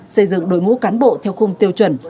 xây dựng đội ngũ cán bộ theo khung tiêu chuẩn